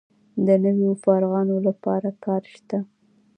د نویو فارغانو لپاره کار شته؟